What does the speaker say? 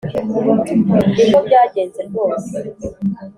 niko byagenze rwose